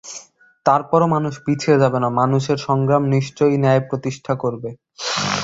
তার পরও মানুষ পিছিয়ে যাবে না, মানুষের সংগ্রাম নিশ্চয়ই ন্যায় প্রতিষ্ঠা করবে।